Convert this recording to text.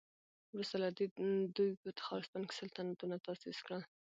وروسته له دې دوی په تخارستان کې سلطنتونه تاسيس کړل